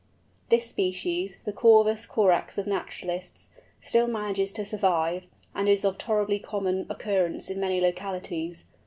This species, the Corvus corax of naturalists, still manages to survive, and is of tolerably common occurrence in many localities.